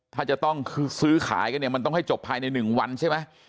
ถ้าจะต้องซื้อขายกันเนี่ยมันต้องให้จบภายใน๑วันใช่ไหม